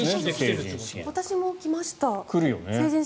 私も来ました。